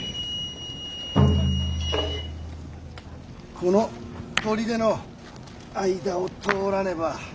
この砦の間を通らねば。